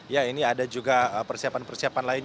ya ini ada juga persiapan persiapan lain